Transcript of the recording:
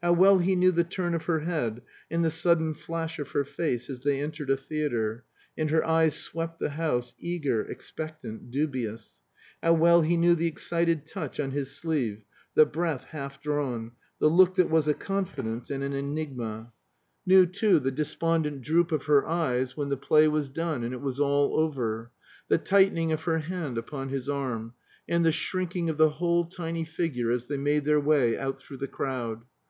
How well he knew the turn of her head and the sudden flash of her face as they entered a theatre, and her eyes swept the house, eager, expectant, dubious; how well he knew the excited touch on his sleeve, the breath half drawn, the look that was a confidence and an enigma; knew, too, the despondent droop of her eyes when the play was done and it was all over; the tightening of her hand upon his arm, and the shrinking of the whole tiny figure as they made their way out through the crowd.